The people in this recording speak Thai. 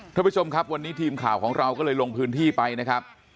ท่านผู้ชมครับวันนี้ทีมข่าวของเราก็เลยลงพื้นที่ไปนะครับ